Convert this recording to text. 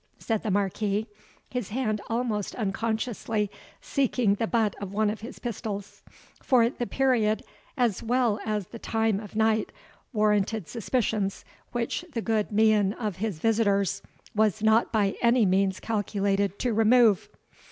said the Marquis, his hand almost unconsciously seeking the but of one of his pistols; for the period, as well as the time of night, warranted suspicions which the good mien of his visitors was not by any means calculated to remove.